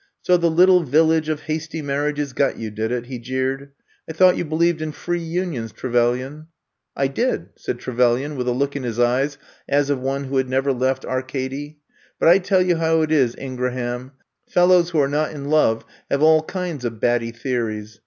*^ So, the little Village of Hasty Marriages got you, did itf he jeered. I thought you believed in free unions, Trevelyan ?'' I did," said Trevelyan, with a look in his eyes as of one who had never left Ar cady. But I tell you how it is, Ingraham, — fellows who are not in love have all kinds of batty theories.